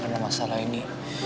karena masalah ini